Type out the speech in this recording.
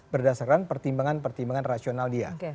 berdasarkan pertimbangan pertimbangan rasional dia